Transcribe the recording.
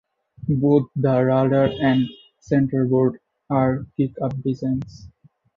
Both the rudder and centreboard are "kick up" designs.